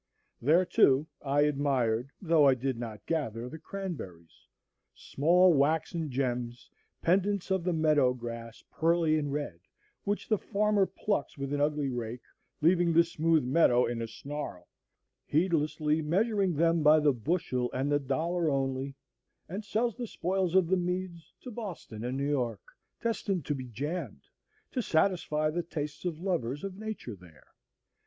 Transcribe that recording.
There too I admired, though I did not gather, the cranberries, small waxen gems, pendants of the meadow grass, pearly and red, which the farmer plucks with an ugly rake, leaving the smooth meadow in a snarl, heedlessly measuring them by the bushel and the dollar only, and sells the spoils of the meads to Boston and New York; destined to be jammed, to satisfy the tastes of lovers of Nature there.